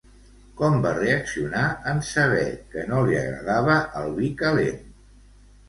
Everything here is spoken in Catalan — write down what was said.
Com va reaccionar en saber que no li agradava el vi calent?